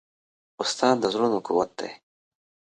استاد د زړونو قوت دی.